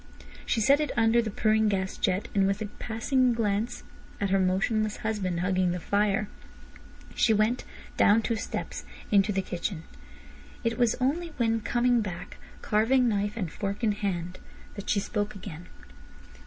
She set it under the purring gas jet, and with a passing glance at her motionless husband hugging the fire, she went (down two steps) into the kitchen. It was only when coming back, carving knife and fork in hand, that she spoke again.